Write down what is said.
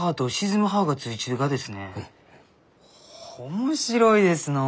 面白いですのう！